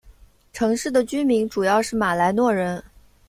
城市的居民主要是马来诺人。